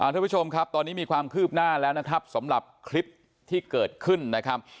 ทุกผู้ชมครับตอนนี้มีความคืบหน้าแล้วนะครับสำหรับคลิปที่เกิดขึ้นนะครับ